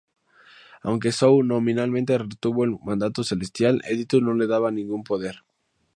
Aunque Zhou nominalmente retuvo el Mandato Celestial, el título no le daba ningún poder.